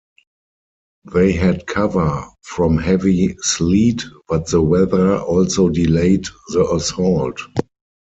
They had cover from heavy sleet, but the weather also delayed the assault.